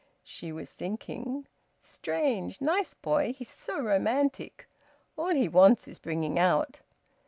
She was thinking, "Strange, nice boy! He's so romantic. All he wants is bringing out."